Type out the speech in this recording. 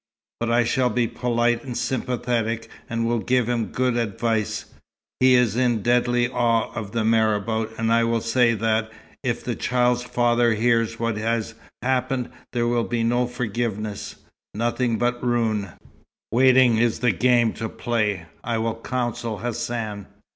"But I shall be polite and sympathetic, and will give him good advice. He is in deadly awe of the marabout, and I will say that, if the child's father hears what has happened, there will be no forgiveness nothing but ruin. Waiting is the game to play, I will counsel Hassan.